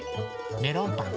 メロンパン？